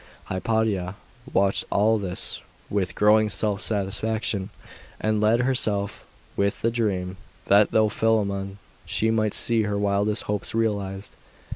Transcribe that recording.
Hypatia watched all this with growing self satisfaction, and fed herself with the dream that through Philammon she might see her wildest hopes realised.